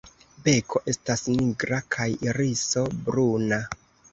Beko estas nigra kaj iriso bruna.